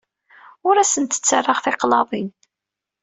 Ur asent-ttarraɣ tiqlaḍin.